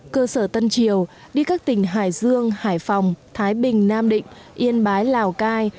cơ sở tân triều đi các tỉnh hải dương hải phòng thái bình nam định yên bái lào cai